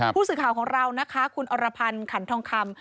ผู้สื่อข่าวของเรานะคะคุณอรพันธ์ขันทองคำ